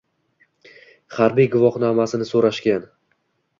Harbiy guvohnomasini so`rashgan